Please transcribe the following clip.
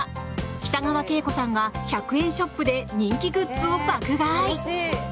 北川景子さんが１００円ショップで人気グッズを爆買い。